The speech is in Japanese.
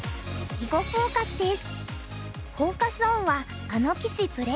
「囲碁フォーカス」です。